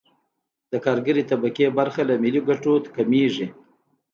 د کارګرې طبقې برخه له ملي ګټو کمېږي